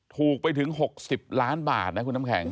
ถูกไปถึง๖๐ล้านบาทนะคุณน้ำแข็ง